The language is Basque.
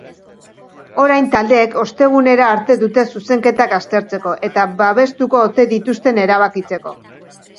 Orain taldeek ostegunera arte dute zuzenketak aztertzeko, eta babestuko ote dituzten erabakitzeko.